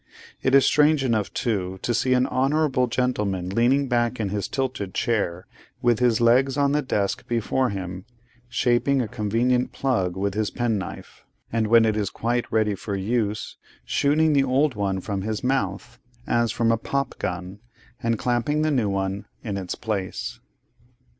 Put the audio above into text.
It is strange enough too, to see an honourable gentleman leaning back in his tilted chair with his legs on the desk before him, shaping a convenient 'plug' with his penknife, and when it is quite ready for use, shooting the old one from his mouth, as from a pop gun, and clapping the new one in its place.